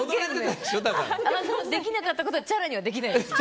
できなかったことはチャラにはできないです。